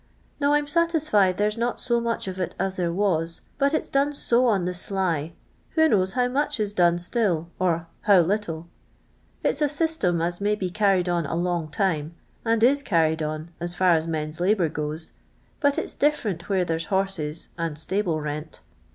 No, I 'm satisfied there 's not so much of it as there was, but it 's done so on the sly ; who knows how much is done still, or how little 1 It's a system as may be , carried on a long time, and is carried on, as &r as men's labour goes, but it's different where I there 's horses, and stable rent.